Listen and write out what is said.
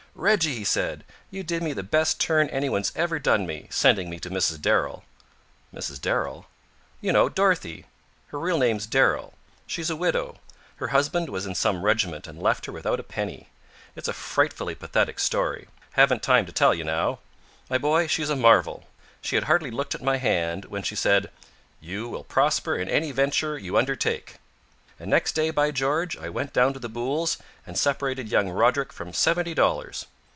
"Reggie," he said, "you did me the best turn anyone's ever done me, sending me to Mrs. Darrell." "Mrs. Darrell?" "You know. Dorothea. Her real name's Darrell. She's a widow. Her husband was in some regiment, and left her without a penny. It's a frightfully pathetic story. Haven't time to tell you now. My boy, she's a marvel. She had hardly looked at my hand, when she said: 'You will prosper in any venture you undertake.' And next day, by George, I went down to the Booles' and separated young Roderick from seventy dollars.